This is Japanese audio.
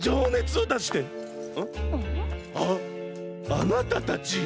あなたたち！